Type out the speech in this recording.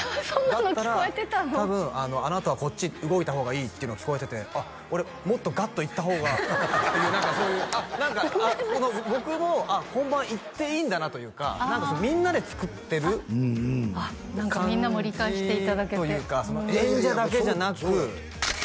「だったら多分あなたはこっちに動いた方がいい」っていうのを聞こえてて「あっ俺もっとガッといった方が」っていう何かそういう僕も本番行っていいんだなというかみんなで作ってるあっ何かみんなも理解していただけて演者だけじゃなくいやいやいやそうよ